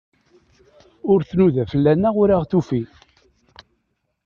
Ur tnuda fell-aneɣ, ur aɣ-tufi.